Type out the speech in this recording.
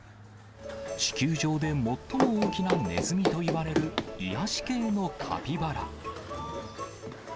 地球上で最も大きなネズミといわれる癒し系のカピバラ。